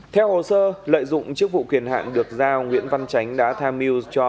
theo hồ sơ lợi dụng chức vụ quyền hạn được giao nguyễn văn chánh đã tham mưu cho